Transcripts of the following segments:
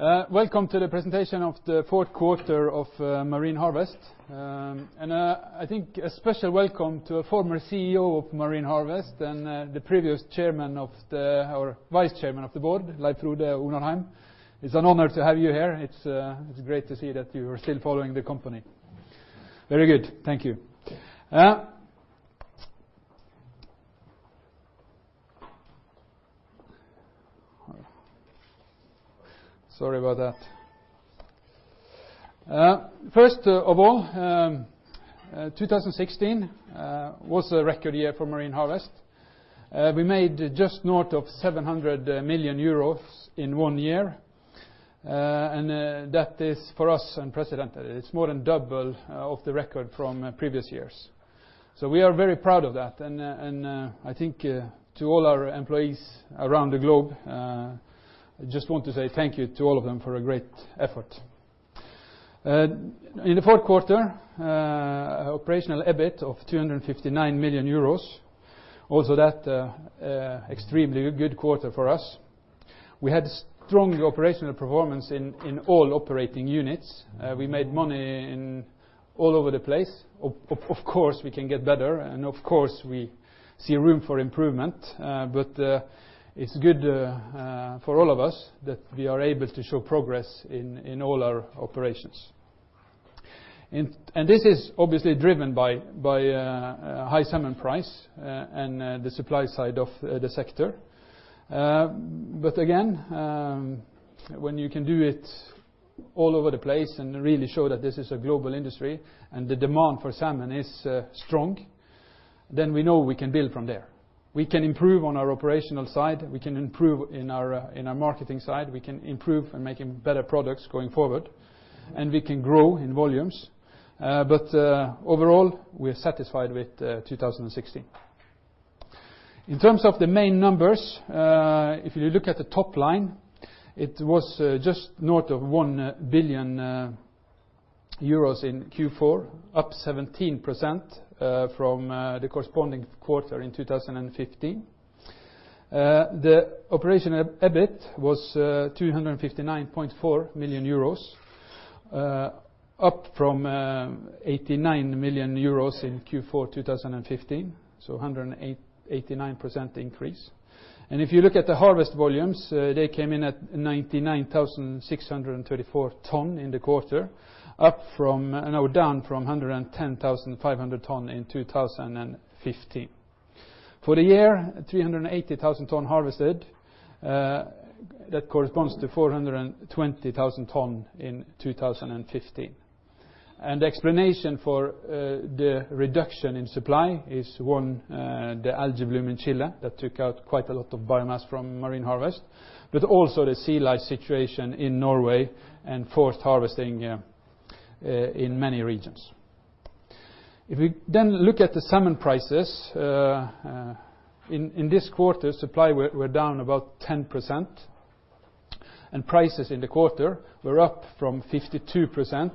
Welcome to the presentation of the fourth quarter of Marine Harvest. I think a special welcome to Former CEO of Marine Harvest and the previous Vice Chairman of the Board, Leif Frode Onarheim. It's an honor to have you here. It's great to see that you are still following the company. Very good. Thank you. Sorry about that. First of all, 2016 was a record year for Marine Harvest. We made just north of 700 million euros in one year, and that is, for us, unprecedented. It's more than double of the record from previous years. We are very proud of that, and I think to all our employees around the globe, I just want to say thank you to all of them for a great effort. In the fourth quarter, operational EBIT of 259 million euros. That was also an extremely good quarter for us. We had strong operational performance in all operating units. We made money in all over the place. Of course, we can get better and of course, we see room for improvement. It's good for all of us that we are able to show progress in all our operations. This is obviously driven by high salmon price and the supply side of the sector. Again, when you can do it all over the place and really show that this is a global industry and the demand for salmon is strong, we know we can build from there. We can improve on our operational side, we can improve in our marketing side, we can improve in making better products going forward, and we can grow in volumes. Overall, we are satisfied with 2016. In terms of the main numbers, if you look at the top line, it was just north of 1 billion euros in Q4, up 17% from the corresponding quarter in 2015. The operational EBIT was 259.4 million euros, up from 89 million euros in Q4 2015. 189% increase. If you look at the harvest volumes, they came in at 99,634 tonnes in the quarter, down from 110,500 tonnes in 2015. For the year, 380,000 tonnes harvested. That corresponds to 420,000 tonnes in 2015. The explanation for the reduction in supply is one, the algae bloom in Chile that took out quite a lot of biomass from Marine Harvest, but also the sea lice situation in Norway and forced harvesting in many regions. If we look at the salmon prices, in this quarter supply were down about 10% and prices in the quarter were up from 52%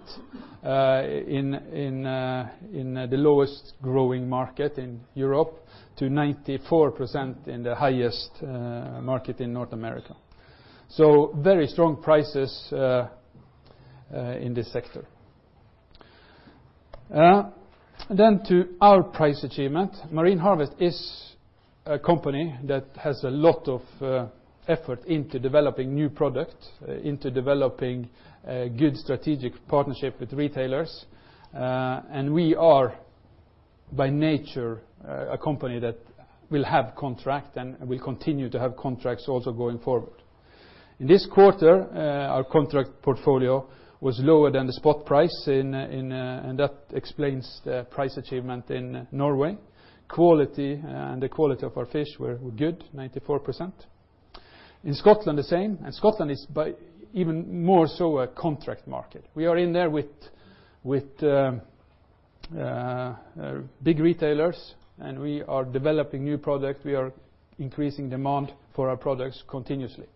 in the lowest growing market in Europe to 94% in the highest market in North America. Very strong prices in this sector. To our price achievement. Marine Harvest is a company that has a lot of effort into developing new products, into developing good strategic partnership with retailers. We are by nature a company that will have contract and will continue to have contracts also going forward. In this quarter, our contract portfolio was lower than the spot price and that explains the price achievement in Norway. Quality and the quality of our fish were good, 94%. In Scotland the same. Scotland is by even more so a contract market. We are in there with big retailers and we are developing new product. We are increasing demand for our products continuously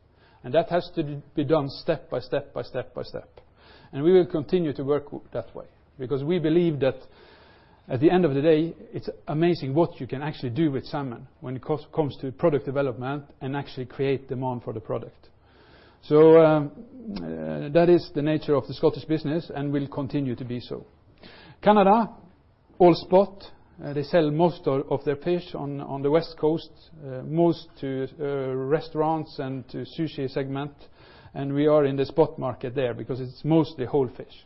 and that has to be done step by step by step by step. We will continue to work that way because we believe that at the end of the day, it's amazing what you can actually do with salmon when it comes to product development and actually create demand for the product. That is the nature of the Scottish business and will continue to be so. Canada, all spot, they sell most of their fish on the West Coast, most to restaurants and to sushi segment and we are in the spot market there because it's mostly whole fish.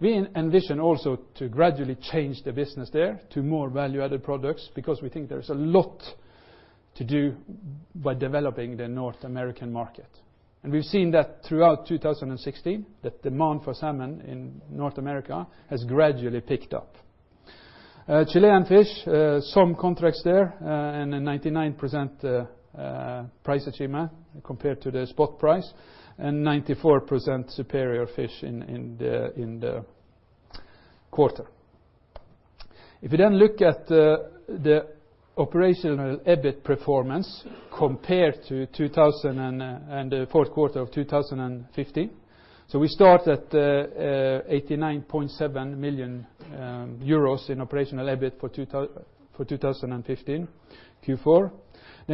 We envision also to gradually change the business there to more value-added products because we think there's a lot to do by developing the North American market. We've seen that throughout 2016 that demand for salmon in North America has gradually picked up. Chilean fish, some contracts there and a 99% price achievement compared to the spot price and 94% superior fish in the quarter. If you look at the Operational EBIT performance compared to the fourth quarter of 2015. We start at 89.7 million euros in Operational EBIT for 2015 Q4.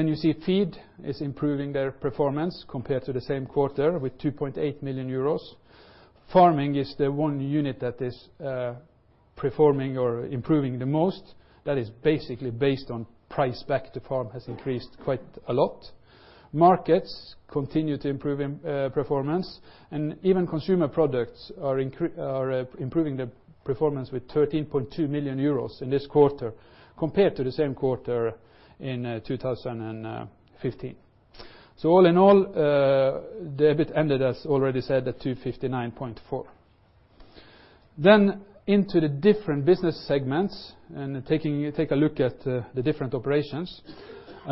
You see Feed is improving their performance compared to the same quarter with 2.8 million euros. Farming is the one unit that is performing or improving the most. That is basically based on price back to farm has increased quite a lot. Markets continue to improve performance, and even Consumer Products are improving their performance with 13.2 million euros in this quarter compared to the same quarter in 2015. All in all, the EBIT ended, as already said, at 259.4 million. Into the different business segments and take a look at the different operations.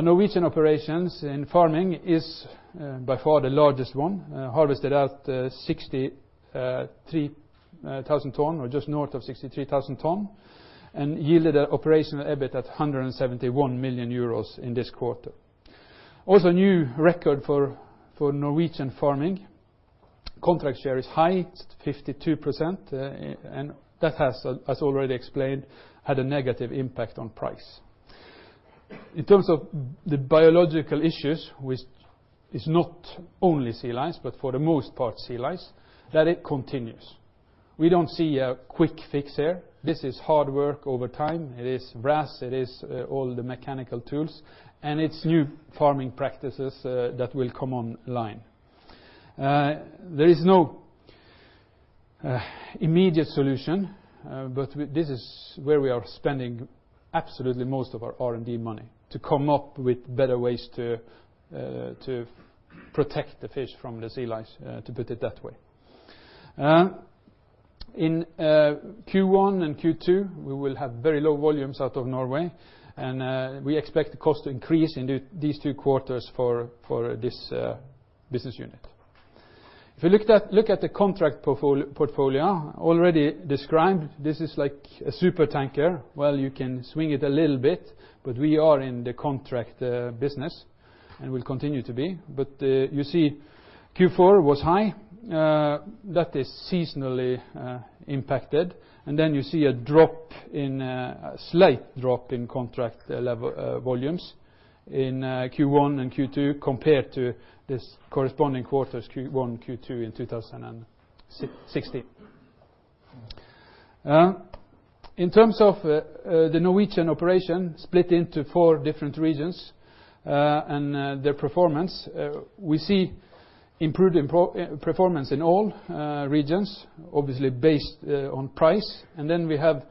Norwegian operations in Farming is by far the largest one, harvested out 63,000 tons or just north of 63,000 tons, and yielded an Operational EBIT at 171 million euros in this quarter. Also a new record for Norwegian Farming. Contract share is high, it is 52%, and that has, as already explained, had a negative impact on price. In terms of the biological issues, which is not only sea lice, but for the most part sea lice, that it continues. We don't see a quick fix here. This is hard work over time. It is RAS, it is all the mechanical tools, and it is new farming practices that will come online. There is no immediate solution, but this is where we are spending absolutely most of our R&D money to come up with better ways to protect the fish from the sea lice, to put it that way. In Q1 and Q2, we will have very low volumes out of Norway, and we expect the cost to increase in these two quarters for this business unit. If you look at the contract portfolio already described, this is like a supertanker. Well, you can swing it a little bit, but we are in the contract business and will continue to be. You see Q4 was high, that is seasonally impacted, and then you see a slight drop in contract level volumes in Q1 and Q2 compared to this corresponding quarters Q1, Q2 in 2016. In terms of the Norwegian operation split into four different regions and their performance, we see improved performance in all regions, obviously based on price. We have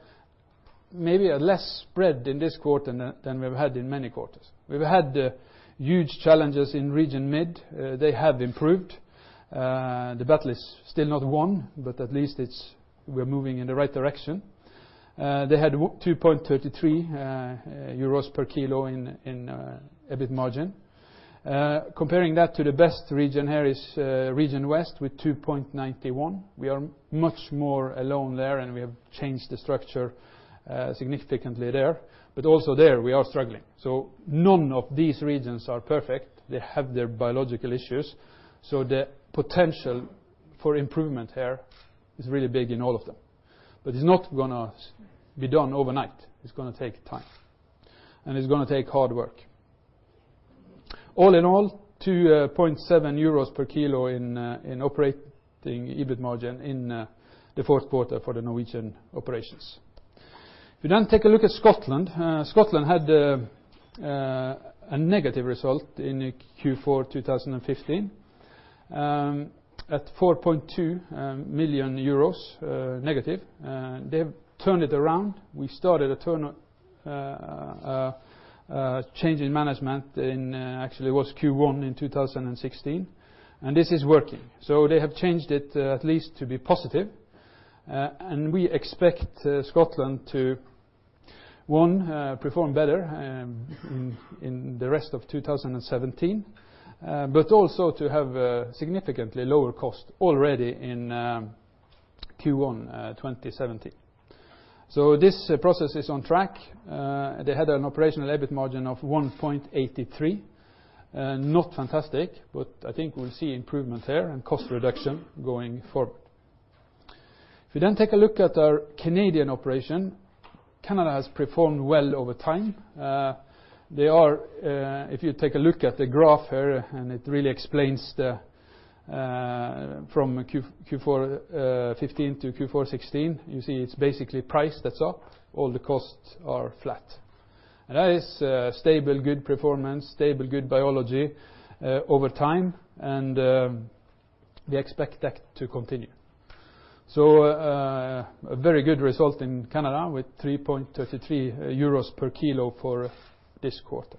maybe a less spread in this quarter than we've had in many quarters. We've had huge challenges in Region Mid. They have improved. The battle is still not won, but at least we're moving in the right direction. They had 2.33 euros per kilo in EBIT margin. Comparing that to the best region here is Region West with 2.91. We are much more alone there, and we have changed the structure significantly there, but also there we are struggling. None of these regions are perfect. They have their biological issues, so the potential for improvement here is really big in all of them. It's not going to be done overnight. It's going to take time, and it's going to take hard work. All in all, 2.7 euros per kilo in operating EBIT margin in the fourth quarter for the Norwegian operations. Take a look at Scotland. Scotland had a negative result in Q4 2015 at -4.2 million euros. They've turned it around. We started a change in management in Q1 in 2016. This is working. They have changed it at least to be positive. We expect Scotland to, one, perform better in the rest of 2017, but also to have a significantly lower cost already in Q1 2017. This process is on track. They had an operational EBIT margin of 1.83%. Not fantastic, but I think we'll see improvements there and cost reduction going forward. Take a look at our Canadian operation. Canada has performed well over time. If you take a look at the graph here and it really explains from the Q4 2015-Q4 2016, you see it's basically price that's up, all the costs are flat. It's a stable good performance, stable good biology over time, and we expect that to continue. A very good result in Canada with 3.33 euros per kilo for this quarter.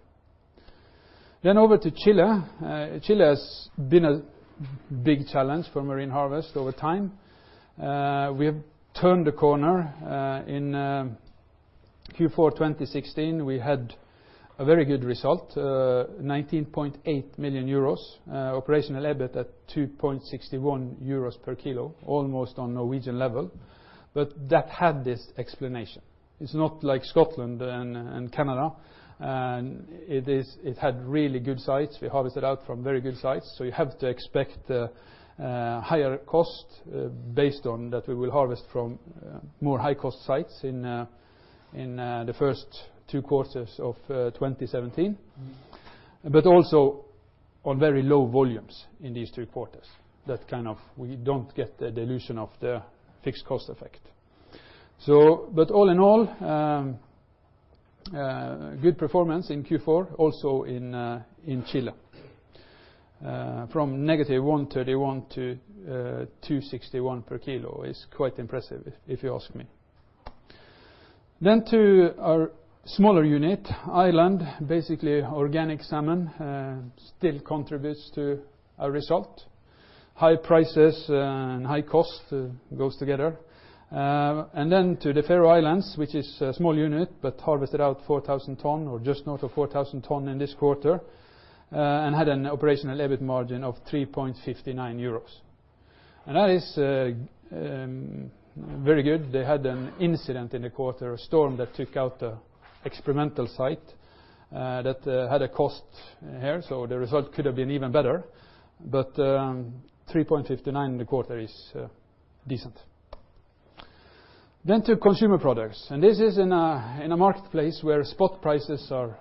Over to Chile. Chile has been a big challenge for Marine Harvest over time. We have turned the corner. In Q4 2016, we had a very good result, 19.8 million euros. Operational EBIT at 2.61 euros per kilo, almost on Norwegian level. That had this explanation. It's not like Scotland and Canada, and it had really good sites. We harvested out from very good sites, you have to expect a higher cost based on that we will harvest from more high-cost sites in the first two quarters of 2017, but also on very low volumes in these two quarters. We don't get the dilution of the fixed cost effect. All in all, good performance in Q4, also in Chile. From -1.31-2.61 per kilo is quite impressive if you ask me. To our smaller unit, Ireland, basically organic salmon, still contributes to a result. High prices and high cost goes together. To the Faroe Islands, which is a small unit, but harvested out 4,000 tons or just north of 4,000 tons in this quarter, and had an Operational EBIT margin of 3.59 euros. That is very good. They had an incident in the quarter, a storm that took out the experimental site. That had a cost here, the result could have been even better, but 3.59 in the quarter is decent. To consumer products, this is in a marketplace where spot prices are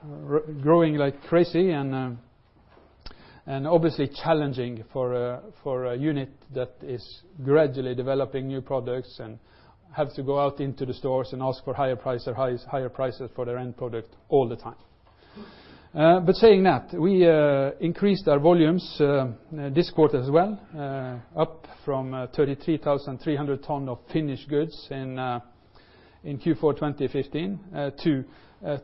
growing like crazy and obviously challenging for a unit that is gradually developing new products and has to go out into the stores and ask for higher prices for their end product all the time. Saying that, we increased our volumes this quarter as well, up from 33,300 tons of finished goods in Q4 2015 to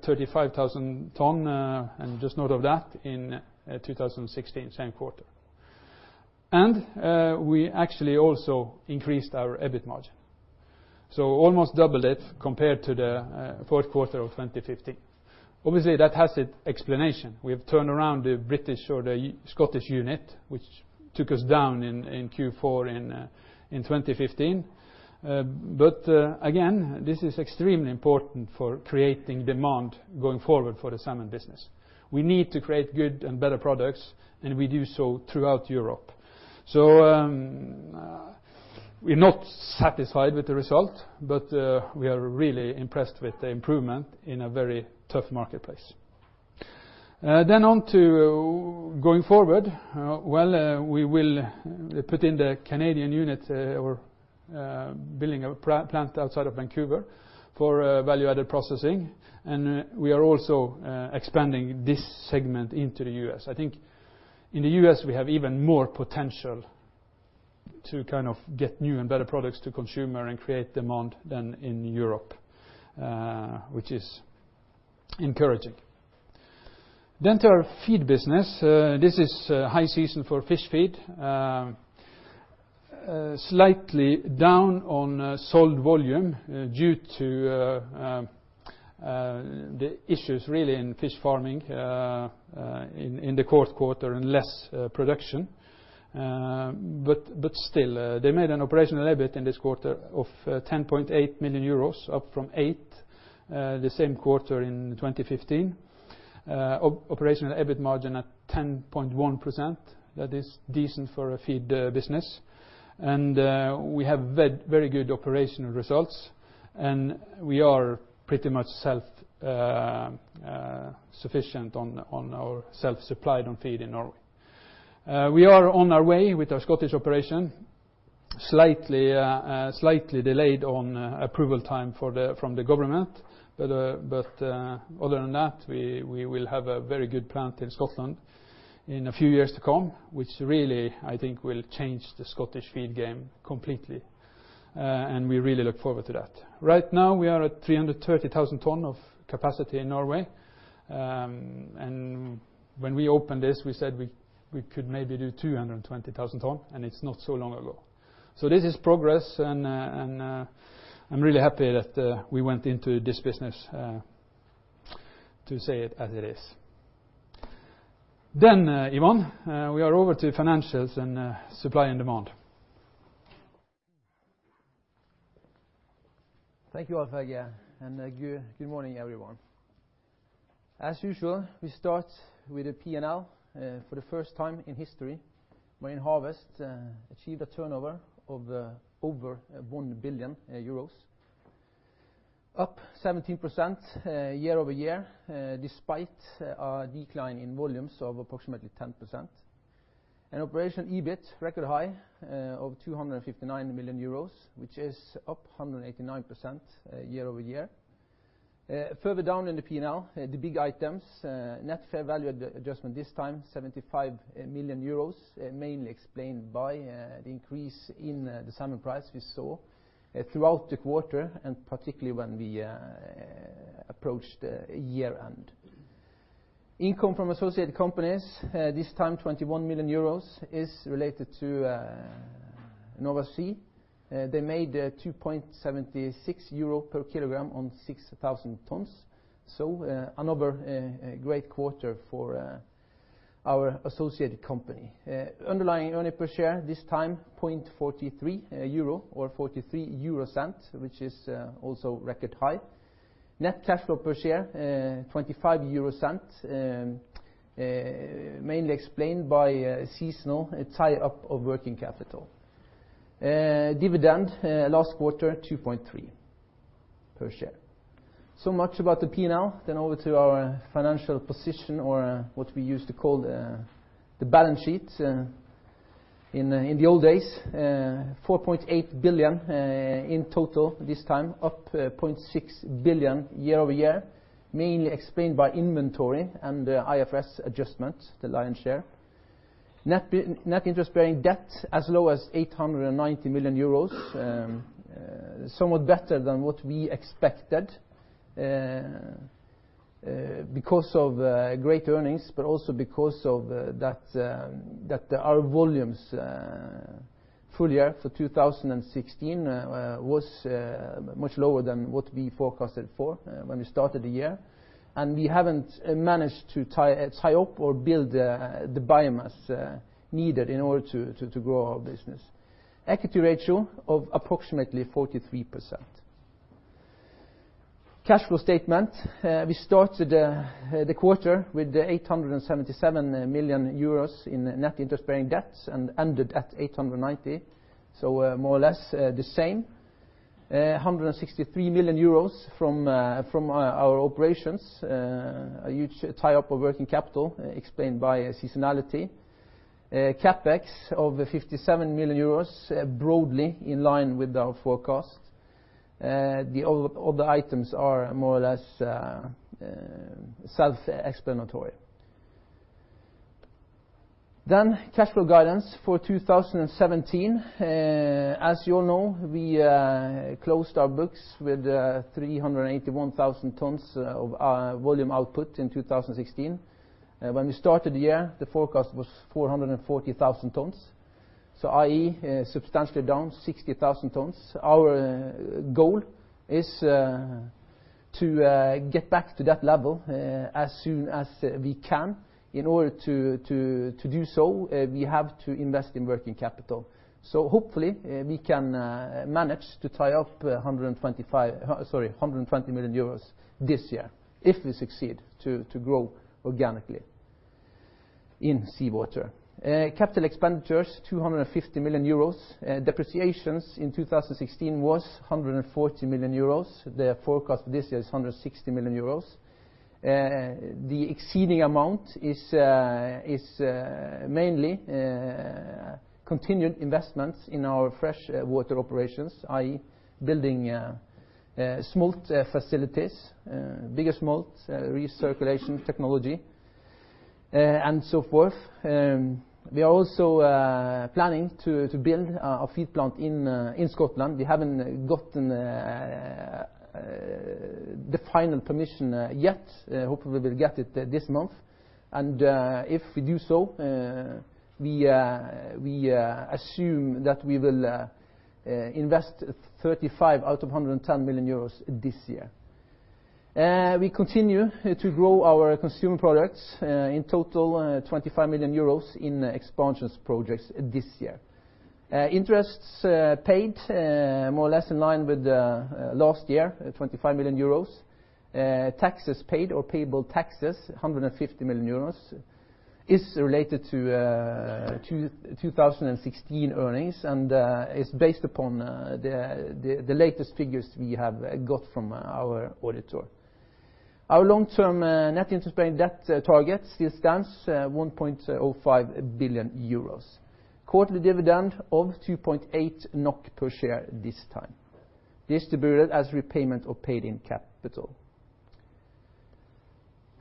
35,000 tons and just sort of that in 2016, same quarter. We actually also increased our EBIT margin, almost doubled it compared to the fourth quarter of 2015. Obviously, that has its explanation. We've turned around the British or the Scottish unit, which took us down in Q4 in 2015. Again, this is extremely important for creating demand going forward for the salmon business. We need to create good and better products, and we do so throughout Europe. We're not satisfied with the result, but we are really impressed with the improvement in a very tough marketplace. On to going forward. Well, we will put in the Canadian unit. We're building a plant outside of Vancouver for value-added processing, and we are also expanding this segment into the U.S. I think in the U.S., we have even more potential to get new and better products to consumer and create demand than in Europe, which is encouraging. To our feed business. This is high season for fish feed. Slightly down on sold volume due to the issues really in fish farming in the fourth quarter and less production. Still, they made an Operational EBIT in this quarter of 10.8 million euros, up from 8 million the same quarter in 2015. Operational EBIT margin at 10.1%. That is decent for a feed business. We have very good operational results, and we are pretty much self-sufficient. We are on our way with our Scottish operation, slightly delayed on approval time from the government. Other than that, we will have a very good plant in Scotland in a few years to come, which really, I think, will change the Scottish feed game completely. We really look forward to that. Right now, we are at 330,000 tons of capacity in Norway. When we opened this, we said we could maybe do 220,000 ton, and it's not so long ago. This is progress, and I'm really happy that we went into this business, to say it as it is. Ivan, we are over to financials and supply and demand. Thank you, Alf-Helge, and good morning, everyone. As usual, we start with the P&L. For the first time in history, Marine Harvest achieved a turnover of over 1 billion euros, up 17% year-over-year, despite a decline in volumes of approximately 10%. Operational EBIT record high of 259 million euros, which is up 189% year-over-year. Further down in the P&L, the big items, net fair value adjustment this time, 75 million euros, mainly explained by the increase in the salmon price we saw throughout the quarter and particularly when we approached the year-end. Income from associated companies, this time 21 million euros, is related to Nova Sea. They made a 2.76 euro per kg on 6,000 tonnes. Another great quarter for our associated company. Underlying earnings per share, this time, 0.43 euro or 43 euro cents, which is also record high. Net cash flow per share, 0.25, mainly explained by a seasonal tie-up of working capital. Dividend last quarter, 2.3 per share. Much about the P&L. Over to our financial position or what we used to call the balance sheet in the old days. 4.8 billion in total this time, up 0.6 billion year-over-year, mainly explained by inventory and the IFRS adjustments, the lion share. Net interest-bearing debt as low as 890 million euros, somewhat better than what we expected, because of great earnings, but also because of that our volumes full year for 2016 was much lower than what we forecasted for when we started the year. We haven't managed to tie up or build the biomass needed in order to grow our business. Equity ratio of approximately 43%. Cash flow statement. We started the quarter with 877 million euros in net interest-bearing debts and ended at 890 million. More or less the same. 163 million euros from our operations, a huge tie-up of working capital explained by seasonality. CapEx of 57 million euros, broadly in line with our forecast. The other items are more or less self-explanatory. Cash flow guidance for 2017. As you all know, we closed our books with 381,000 tonnes of volume output in 2016. When we started the year, the forecast was 440,000 tonnes, i.e. substantially down 60,000 tonnes. Our goal is to get back to that level as soon as we can. In order to do so, we have to invest in working capital. Hopefully we can manage to tie up 125 million euros, sorry, 120 million euros this year if we succeed to grow organically in seawater. Capital expenditures, 250 million euros. Depreciations in 2016 was 140 million euros. The forecast this year is 160 million euros. The exceeding amount is mainly continued investments in our freshwater operations, i.e., building smolt facilities, bigger smolt recirculation technology and so forth. We are also planning to build a feed plant in Scotland. We haven't gotten the final permission yet. Hopefully, we'll get it this month. If we do so, we assume that we will invest 35 million out of 110 million euros this year. We continue to grow our consumer products, in total 25 million euros in expansions projects this year. Interests paid more or less in line with last year, 25 million euros. Taxes paid or payable taxes, 150 million euros is related to 2016 earnings and is based upon the latest figures we have got from our auditor. Our long-term net interest-bearing debt target stands 1.05 billion euros. Quarterly dividend of 2.8 NOK per share this time, distributed as repayment of paid-in capital.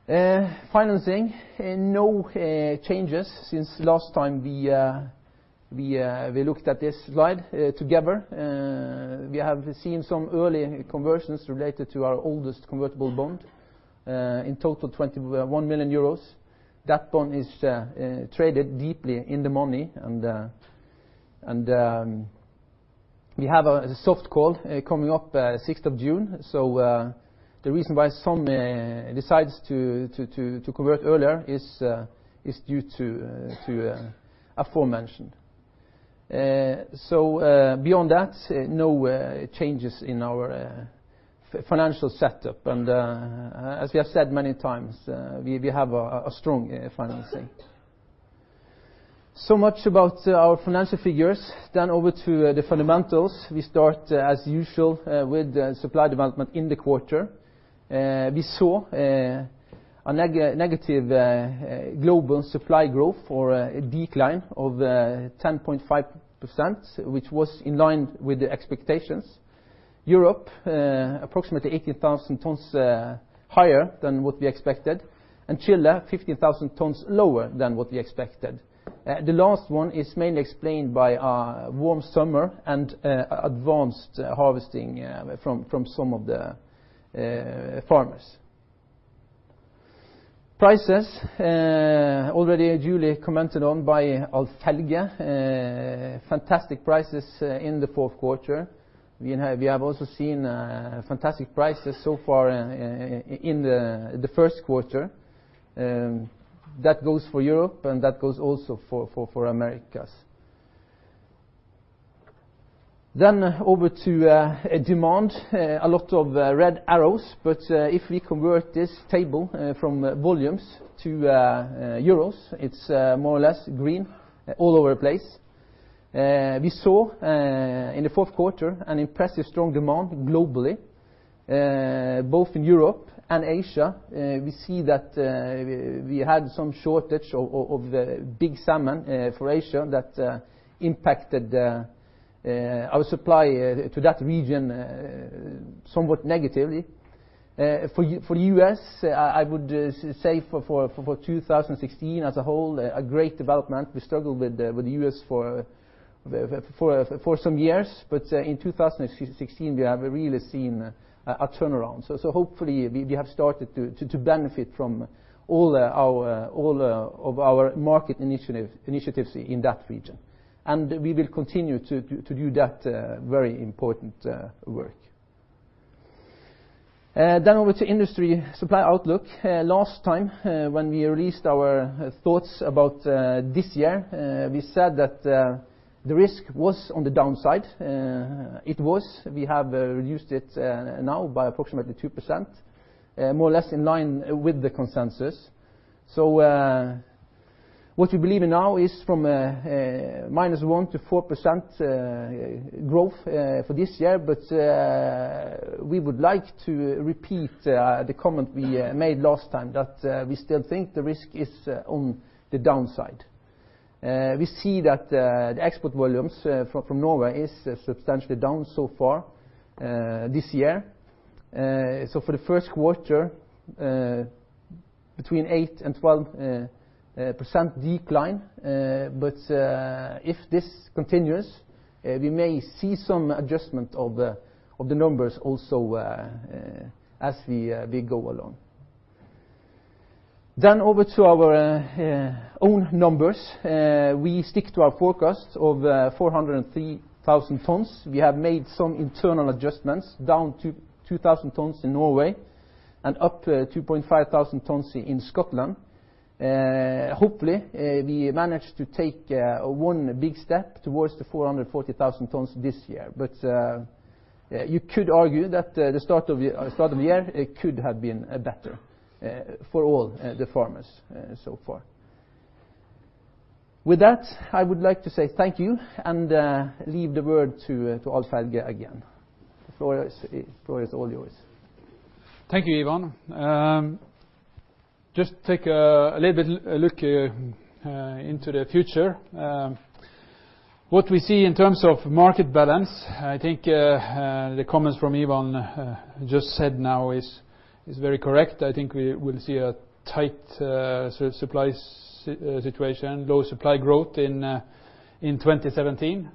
Financing, no changes since last time we looked at this slide together. We have seen some early conversions related to our oldest convertible bond, in total 21 million euros. That bond is traded deeply in the money, and we have a soft call coming up 6th of June. The reason why some decides to convert earlier is due to aforementioned. Beyond that, no changes in our financial setup. As I said many times, we have a strong financing. Much about our financial figures. Over to the fundamentals. We start as usual with supply development in the quarter. We saw a negative global supply growth or a decline of 10.5%, which was in line with the expectations. Europe, approximately 18,000 tons higher than what we expected, and Chile 15,000 tons lower than what we expected. The last one is mainly explained by a warm summer and advanced harvesting from some of the farmers. Prices, already duly commented on by Alf-Helge. Fantastic prices in the fourth quarter. We have also seen fantastic prices so far in the first quarter. That goes for Europe and that goes also for Americas. Over to demand. A lot of red arrows, but if we convert this table from volumes to euros, it's more or less green all over the place. We saw in the fourth quarter an impressive strong demand globally, both in Europe and Asia. We see that we had some shortage of the big salmon for Asia that impacted our supply to that region somewhat negatively. For U.S., I would say for 2016 as a whole, a great development. We struggled with the U.S. for some years, in 2016, we have really seen a turnaround. Hopefully, we have started to benefit from all of our market initiatives in that region, and we will continue to do that very important work. With industry supply outlook. Last time when we released our thoughts about this year, we said that the risk was on the downside. It was. We have reduced it now by approximately 2%, more or less in line with the consensus. What we believe now is from a -1%- 4% growth for this year, but we would like to repeat the comment we made last time that we still think the risk is on the downside. We see that the export volumes from Norway is substantially down so far this year. For the first quarter, between 8% and 12% decline if this continues, we may see some adjustment of the numbers also as we go along. Over to our own numbers. We stick to our forecast of 403,000 tons. We have made some internal adjustments down to 2,000 tons in Norway and up to 2,500 tons in Scotland. Hopefully, we manage to take one big step towards the 440,000 tons this year. You could argue that the start of the year could have been better for all the farmers so far. With that, I would like to say thank you and leave the word to Alf-Helge again. The floor is all yours. Thank you, Ivan. Just take a little bit look into the future. What we see in terms of market balance, I think the comments from Ivan just said now is very correct. I think we will see a tight supply situation, low supply growth in 2017.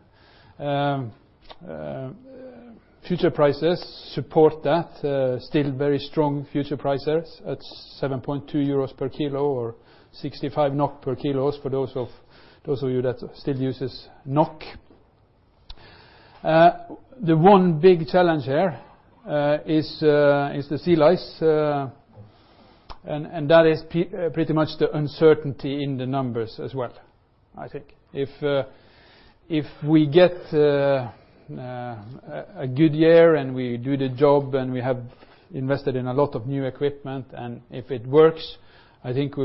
Future prices support that. Still very strong future prices at 7.2 euros per kilo or 65 NOK per kilos for those of you that still uses NOK. The one big challenge here is the sea lice and that is pretty much the uncertainty in the numbers as well, I think. If we get a good year and we do the job and we have invested in a lot of new equipment, and if it works, I think we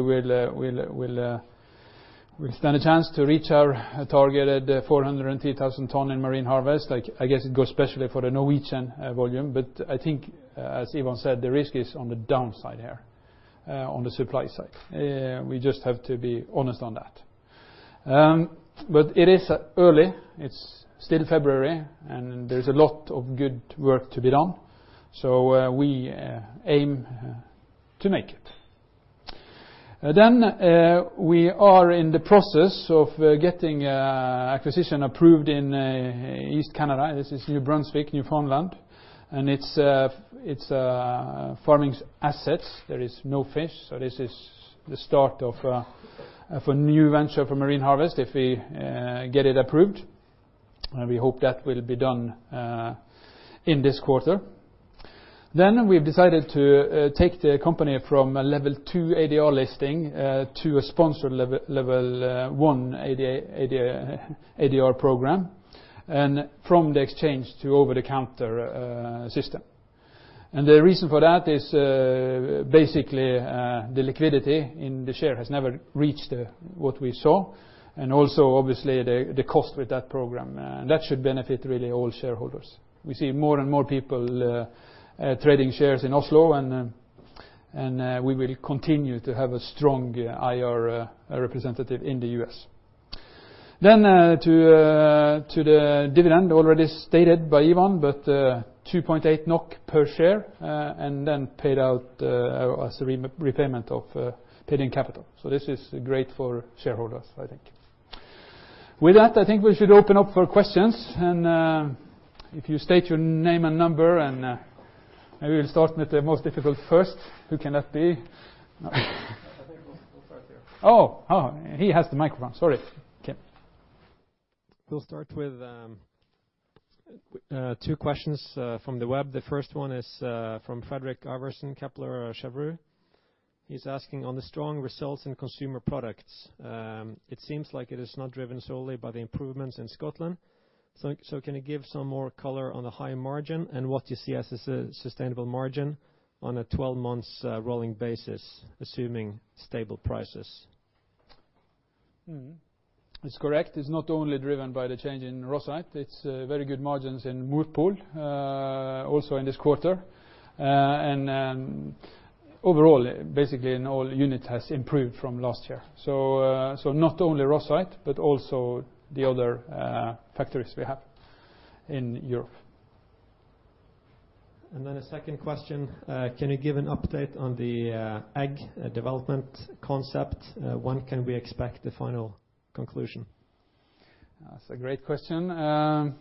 stand a chance to reach our target at 403,000 ton in Marine Harvest. I guess especially for the Norwegian volume, I think as Ivan said, the risk is on the downside here on the supply side. We just have to be honest on that. It is early, it is still February and there is a lot of good work to be done, we aim to make it. We are in the process of getting acquisition approved in East Canada. This is New Brunswick, Newfoundland, and it is farming assets. There is no fish, this is the start of a new venture for Marine Harvest if we get it approved, we hope that will be done in this quarter. We have decided to take the company from a Level 2 ADR listing to a sponsored Level 1 ADR program and from the exchange to over-the-counter system. The reason for that is basically the liquidity in the share has never reached what we saw, and also obviously the cost with that program. That should benefit really all shareholders. We see more and more people trading shares in Oslo and we will continue to have a strong IR representative in the U.S. To the dividend already stated by Ivan, 2.8 NOK per share and then paid out as a repayment of paid-in capital. This is great for shareholders, I think. With that, I think we should open up for questions. If you state your name and number and maybe we'll start with the most difficult first. Who can that be? I think he's right here. Oh. He has the microphone. Sorry. Okay. We'll start with two questions from the web. The first one is from Fredrik Iversen, Kepler Cheuvreux. He's asking, "On the strong results in consumer products, it seems like it is not driven solely by the improvements in Scotland. Can you give some more color on the high margin and what you see as a sustainable margin on a 12-months rolling basis, assuming stable prices? It's correct. It's not only driven by the change in Rosyth. It's very good margins in Morpol, also in this quarter. Overall, basically all unit has improved from last year. Not only Rosyth but also the other factories we have in Europe. The second question, "Can you give an update on the egg development concept? When can we expect the final conclusion? That's a great question. On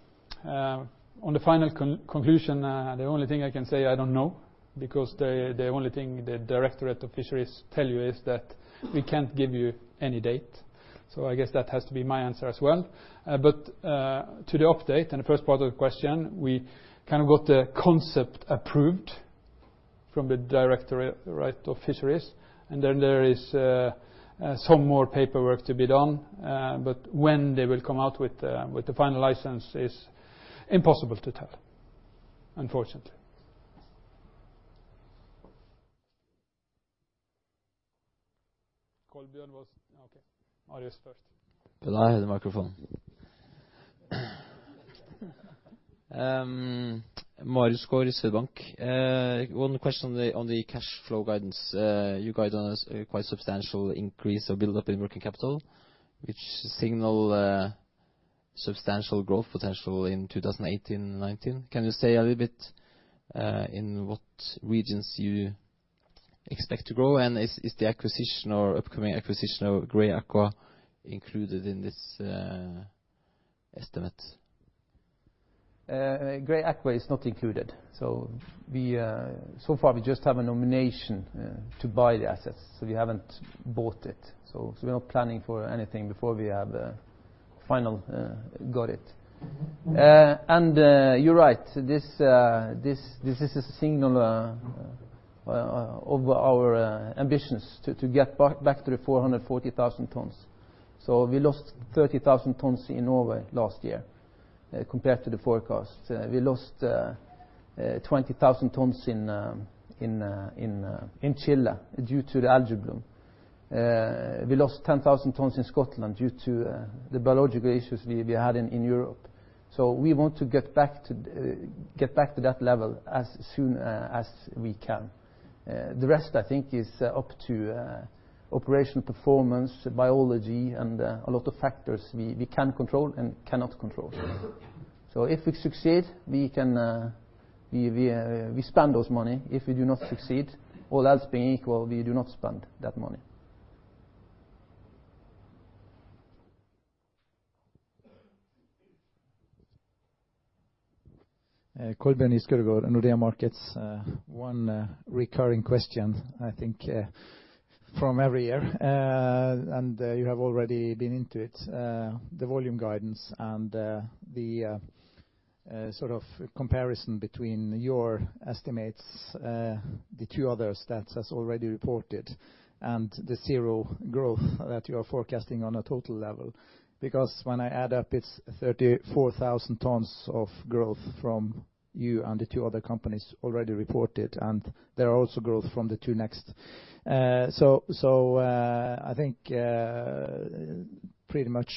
the final conclusion, the only thing I can say, I don't know, because the only thing the Directorate of Fisheries tell you is that we can't give you any date. I guess that has to be my answer as well. To the update and the first part of the question, we got the concept approved from the Directorate of Fisheries, and then there is some more paperwork to be done. When they will come out with the final license is impossible to tell, unfortunately. Okay, Marius first. I have the microphone. Marius Gaard, Swedbank. One question on the cash flow guidance. You are on a quite substantial increase of build-up in working capital, which signal substantial growth potential in 2018 and 2019. Can you say a little bit in what regions you expect to grow? Is the acquisition or upcoming acquisition of Gray Aqua included in this estimate? Gray Aqua is not included. So far we just have a nomination to buy the assets, we haven't bought it. We're not planning for anything before we have final got it. You're right, this is a signal of our ambitions to get back to the 440,000 tons. We lost 30,000 tons in Norway last year compared to the forecast. We lost 20,000 tons in Chile due to the algae bloom. We lost 10,000 tons in Scotland due to the biological issues we had in Europe. We want to get back to that level as soon as we can. The rest, I think, is up to operational performance, biology, and a lot of factors we can control and cannot control. If we succeed, we spend those money. If we do not succeed, all else being equal, we do not spend that money. Kolbjørn Giskeødegård, Nordea Markets. One recurring question, I think, from every year, and you have already been into it. The volume guidance and the sort of comparison between your estimates, the two others that has already reported and the zero growth that you are forecasting on a total level. When I add up, it's 34,000 tons of growth from you and the two other companies already reported, and there are also growth from the two next. I think pretty much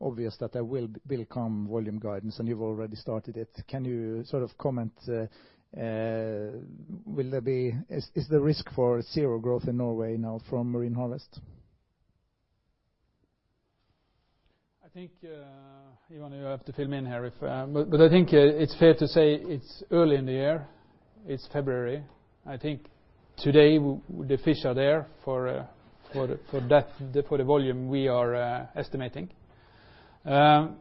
obvious that there will come volume guidance, and you've already started it. Can you sort of comment, is the risk for zero growth in Norway now from Marine Harvest? I think it's fair to say it's early in the year. It's February. I think today the fish are there for the volume we are estimating. Then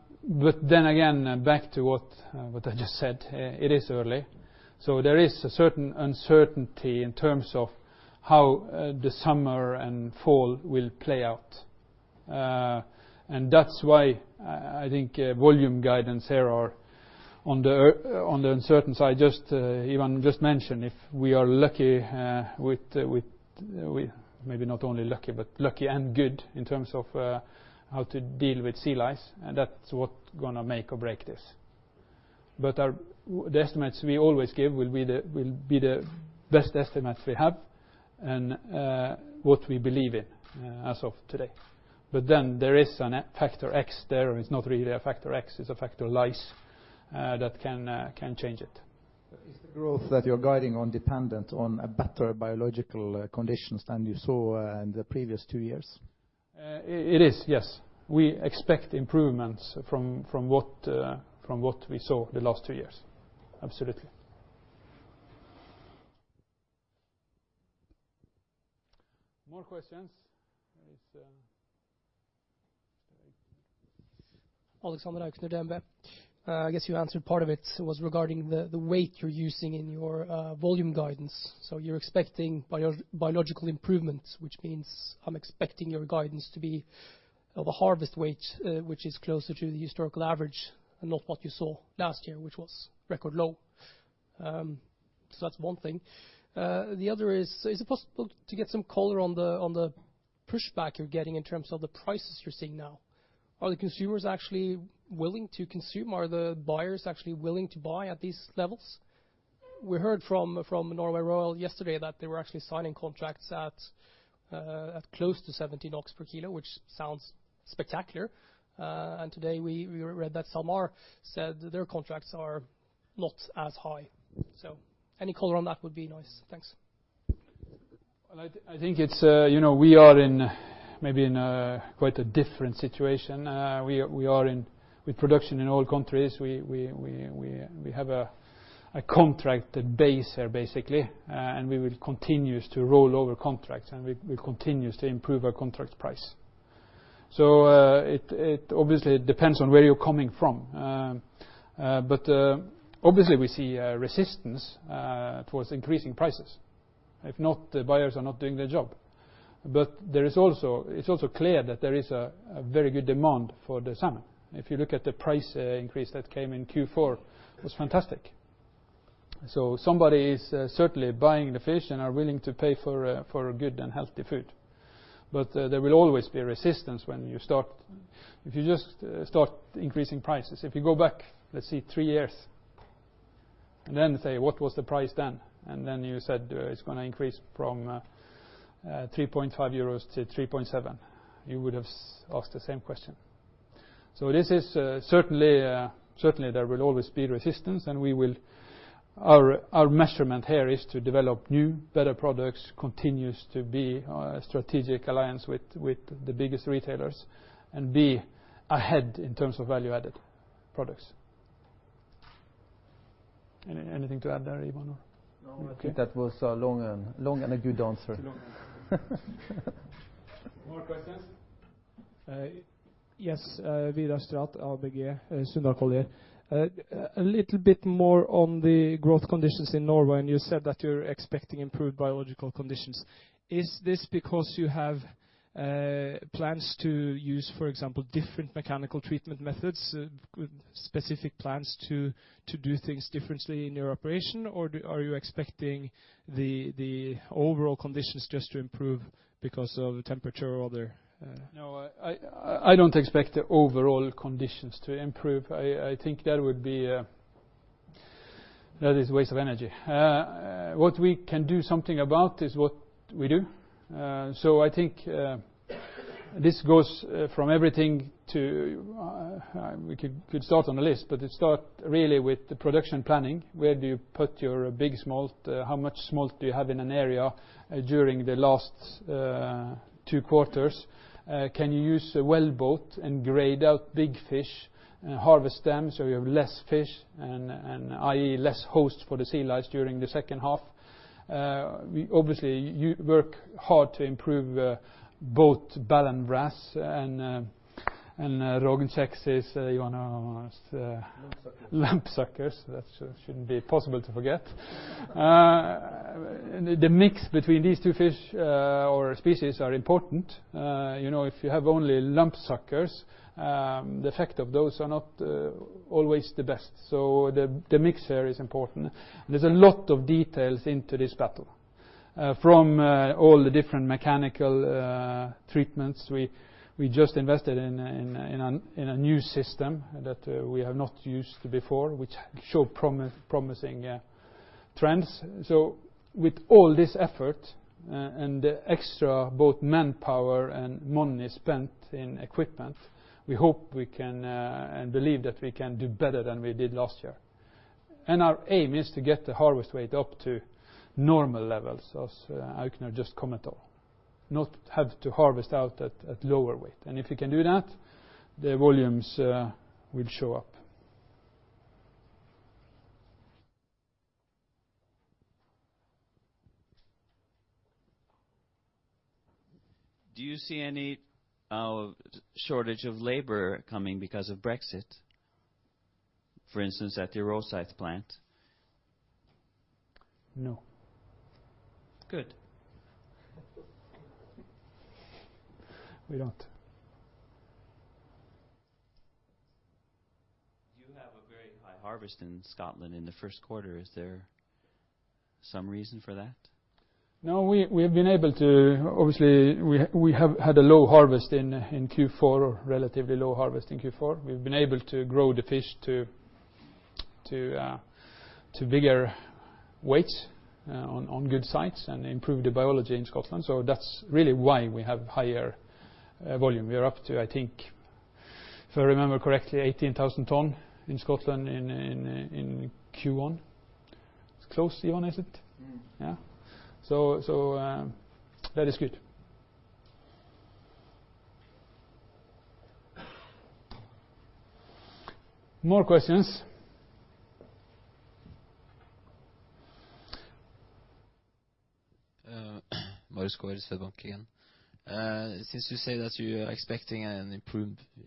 again, back to what I just said, it is early. There is a certain uncertainty in terms of how the summer and fall will play out. That's why I think volume guidance here are on the uncertain side. Maybe not only lucky, but lucky and good in terms of how to deal with sea lice, and that's what going to make or break this. The estimates we always give will be the best estimates we have and what we believe in as of today. Then there is a factor X there. It's not really a factor X, it's a factor lice that can change it. Is the growth that you're guiding on dependent on better biological conditions than you saw in the previous two years? It is, yes. We expect improvements from what we saw the last two years. Absolutely. More questions? Alexander Aukner, DNB Markets. I guess you answered part of it. It was regarding the weight you're using in your volume guidance. You're expecting biological improvements, which means I'm expecting your guidance to be of a harvest weight, which is closer to the historical average and not what you saw last year, which was record low. That's one thing. The other is it possible to get some color on the pushback you're getting in terms of the prices you're seeing now? Are the consumers actually willing to consume? Are the buyers actually willing to buy at these levels? We heard from Norway Royal yesterday that they were actually signing contracts at close to 17 NOK per kilo, which sounds spectacular. Today we read that SalMar said that their contracts are not as high. Any color on that would be nice. Thanks. I think we are in maybe quite a different situation. We are in with production in all countries. We have a contracted base there basically, and we will continue to roll over contracts, and we continue to improve our contract price. It obviously depends on where you're coming from. Obviously we see resistance towards increasing prices. If not, the buyers are not doing their job. It's also clear that there is a very good demand for the salmon. If you look at the price increase that came in Q4, it was fantastic. Somebody is certainly buying the fish and are willing to pay for good and healthy food. There will always be resistance when you start increasing prices. If you go back, let's say three years and then say, "What was the price then?" Then you said, "It's going to increase from 3.5-3.7 euros," you would have asked the same question. Certainly there will always be resistance, and our measurement here is to develop new, better products, continues to be a strategic alliance with the biggest retailers, and be ahead in terms of value-added products. Anything to add there, Ivan? No. I think that was a long and a good answer. It's a long answer. More questions? Yes. Vidar Strat, ABG Sundal Collier. A little bit more on the growth conditions in Norway. You said that you're expecting improved biological conditions. Is this because you have plans to use, for example, different mechanical treatment methods, specific plans to do things differently in your operation? Are you expecting the overall conditions just to improve because of the temperature or other? No, I don't expect the overall conditions to improve. I think that is a waste of energy. What we can do something about is what we do. I think this goes from everything. We could start on the list, but it start really with the production planning. Where do you put your big smolt? How much smolt do you have in an area during the last two quarters? Can you use a wellboat and grade out big fish and harvest them so you have less fish and, i.e., less host for the sea lice during the second half? Obviously, you work hard to improve both ballan wrasse and rognkjeks. Hang on. What's lumpsuckers. That shouldn't be possible to forget. The mix between these two fish or species are important. If you have only lumpsuckers, the effect of those are not always the best. The mix here is important, and there's a lot of details into this battle. From all the different mechanical treatments, we just invested in a new system that we have not used before, which show promising trends. With all this effort and the extra both manpower and money spent in equipment, we hope we can and believe that we can do better than we did last year. Our aim is to get the harvest weight up to normal levels, as Aukner just commented on. Not have to harvest out at lower weight. If you can do that, the volumes will show up. Do you see any shortage of labor coming because of Brexit, for instance, at your Rosyth plant? No. Good. We don't. You have a very high harvest in Scotland in the first quarter. Is there some reason for that? Obviously, we have had a low harvest in Q4, or relatively low harvest in Q4. We've been able to grow the fish to bigger weights on good sites and improve the biology in Scotland. That's really why we have higher volume. We are up to, I think, if I remember correctly, 18,000 ton in Scotland in Q1. It's close to Q1, is it? Yeah. That is good. More questions? Marius Gaard, Swedbank again. Since you say that you are expecting an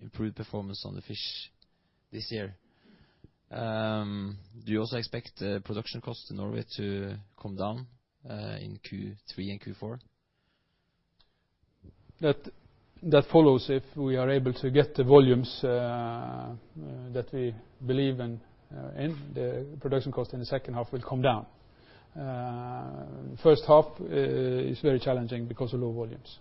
improved performance on the fish this year, do you also expect production cost in Norway to come down in Q3 and Q4? That follows if we are able to get the volumes that we believe in. The production cost in the second half will come down. First half is very challenging because of low volumes.